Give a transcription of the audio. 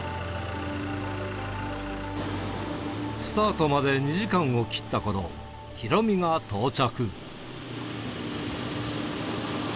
スタートまで２時間を切ったころ、ヒロミが到着。